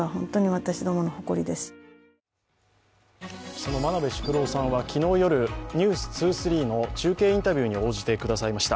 その真鍋淑郎さんは昨日夜、「ｎｅｗｓ２３」の中継インタビューに応じてくださいました。